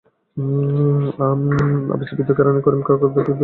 আপিসের বৃদ্ধ কেরানি করিম খাঁ আমাকে দেখিয়া ঈষৎ হাসিল।